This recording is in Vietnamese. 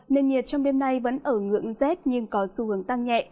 nền nhiệt trong đêm nay vẫn ở ngưỡng rét nhưng có xu hướng tăng nhẹ